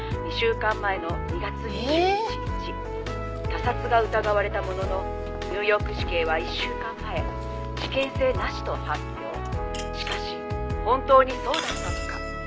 「他殺が疑われたもののニューヨーク市警は１週間前事件性なしと発表」「しかし本当にそうだったのか？」